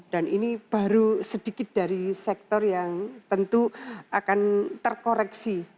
dan ini baru sedikit dari sektor yang tentu akan terkoreksi